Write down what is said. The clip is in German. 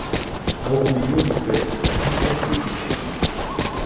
Auch um die großen Projekte wird viel Aufhebens gemacht.